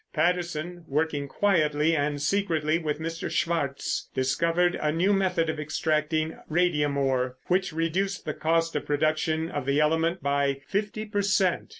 Patterson, working quietly and secretly with Mr. Swartz, discovered a new method of extracting radium ore, which reduced the cost of production of the element by fifty per cent.